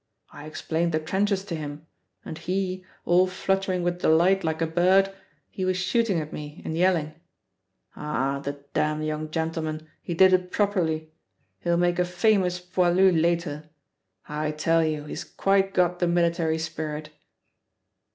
I explained the trenches to him; and he, all fluttering with delight like a bird, he was shooting at me and yelling. Ah, the damned young gentleman, he did it properly! He'll make a famous poilu later! I tell you, he's quite got the military spirit!"